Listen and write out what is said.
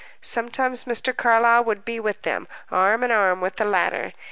Sometimes Mr. Carlyle would be with them, arm and arm with the latter.